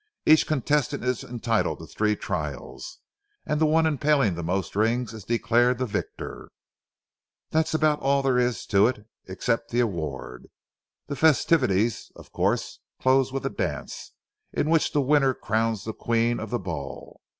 Each contestant is entitled to three trials and the one impaling the most rings is declared the victor. That's about all there is to it, except the award. The festivities, of course, close with a dance, in which the winner crowns the Queen of the ball.